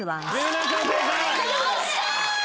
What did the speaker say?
よっしゃ！